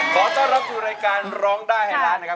ขอต้อนรับสู่รายการร้องได้ให้ร้านนะครับคุณหมุมนะครับ